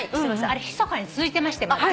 あれひそかに続いてまして。